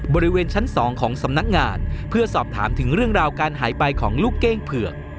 บริเวณชั้น๒ของสำนักงานเพื่อสอบถามถึงเรื่องราวการหายไปของลูกเก้งเผือก